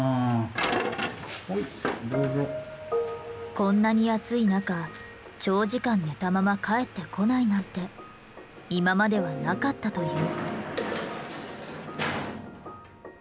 こんなに暑い中長時間寝たまま帰ってこないなんて今まではなかったという。